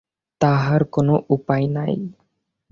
তাহার কোনো উপায় নাই।